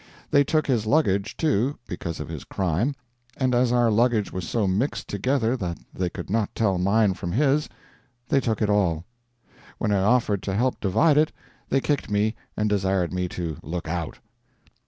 They took his luggage, too, because of his crime, and as our luggage was so mixed together that they could not tell mine from his, they took it all. When I offered to help divide it, they kicked me and desired me to look out.